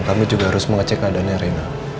kami juga harus mengecek keadaannya rena